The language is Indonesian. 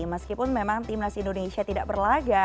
meskipun memang tim nasi indonesia tidak berlaga